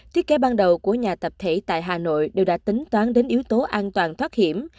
thiết kế ban đầu của nhà tập thể tại hà nội đều đã tính toán đến yếu tố an toàn thoát hiểm